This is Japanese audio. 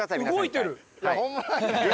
動いてる！